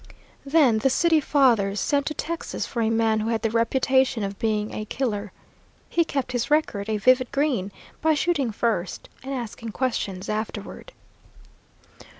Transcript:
Then the city fathers sent to Texas for a man who had the reputation of being a killer. He kept his record a vivid green by shooting first and asking questions afterward.